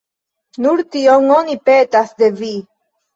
Nur tion oni petas de vi.